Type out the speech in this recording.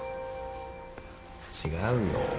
違うよ。